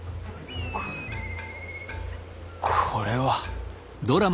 これこれは。